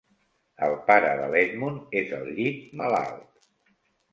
El pare de l'Edmund és al llit, malalt.